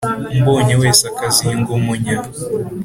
umbonye wese akazinga umunya.